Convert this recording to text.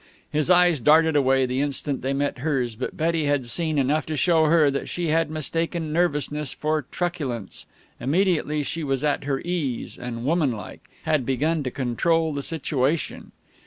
His eyes darted away the instant they met hers, but Betty had seen enough to show her that she had mistaken nervousness for truculence. Immediately, she was at her ease, and womanlike, had begun to control the situation.